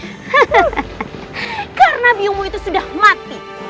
hahaha karena biomo itu sudah mati